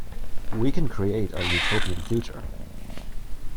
We can create a Utopian future.